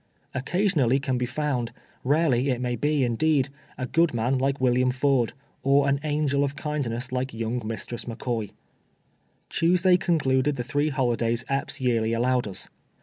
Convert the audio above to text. Occasionally can be found, rarely it nuiy be, indeed, a good iiian like AVilliani Ford, or an angel of kindness like young Mistress Tuesday concluded the three holidays Epps yearly allowed us.